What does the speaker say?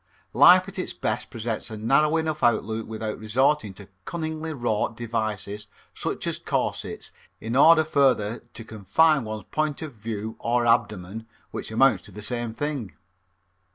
Life at its best presents a narrow enough outlook without resorting to cunningly wrought devices such as corsets in order further to confine one's point of view or abdomen, which amounts to the same thing.